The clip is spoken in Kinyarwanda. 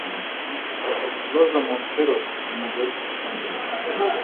Rosa Montero numugore udasanzwe.